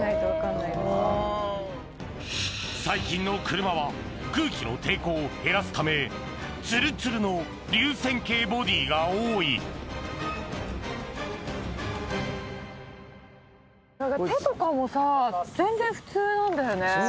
最近の車は空気の抵抗を減らすためツルツルの流線形ボディーが多い手とかもさ全然普通なんだよね。